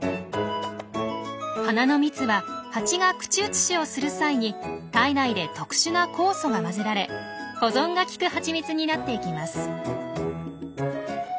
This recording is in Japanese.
花の蜜はハチが口移しをする際に体内で特殊な酵素が混ぜられ保存が利くハチミツになっていきます。